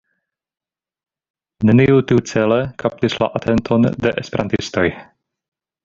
Neniu tiucele kaptis la atenton de esperantistoj.